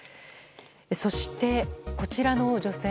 そして、こちらの女性。